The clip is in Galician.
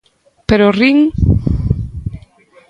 ¡¿Pero rin?!